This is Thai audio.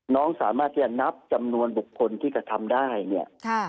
น้องสามารถยังนับจำนวนบุคคลที่กระทำได้